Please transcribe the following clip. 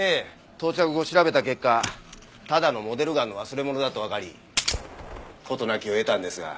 到着後調べた結果ただのモデルガンの忘れ物だとわかり事なきを得たんですが。